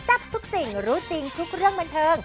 ทับทุกสิ่งรู้จริงทุกเรื่องบันเทิง